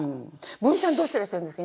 文枝さんどうしてらっしゃるんですか？